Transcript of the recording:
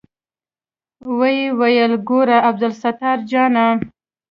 ويې ويل ګوره عبدالستار جانه.